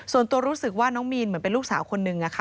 ส่วนตัวรู้สึกว่าน้องมีนเหมือนเป็นลูกสาวคนนึงอะค่ะ